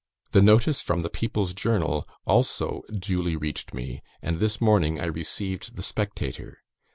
The notice from the People's Journal also duly reached me, and this morning I received the Spectator.